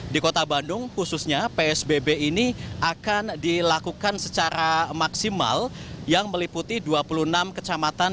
di kota bandung khususnya psbb ini akan dilakukan secara maksimal yang meliputi dua puluh enam kecamatan